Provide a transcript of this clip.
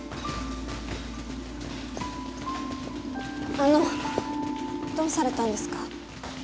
あのどうされたんですか？